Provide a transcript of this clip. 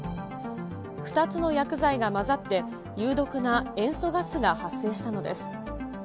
２つの薬剤が混ざって、有毒な塩素ガスが発生したのです。